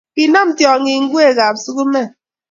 Kinam tyong'ik ngwekab sukumek